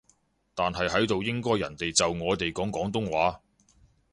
但係喺度應該人哋就我哋講廣東話